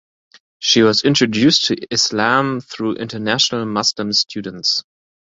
She was introduced to Islam through international Muslim students.